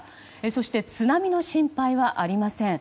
そして津波の心配はありません。